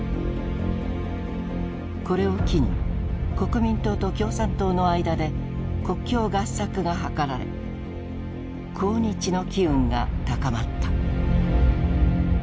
これを機に国民党と共産党の間で国共合作が図られ抗日の機運が高まった。